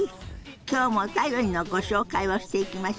今日もお便りのご紹介をしていきましょうか。